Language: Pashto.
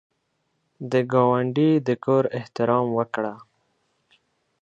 د ګاونډي د کور احترام وکړه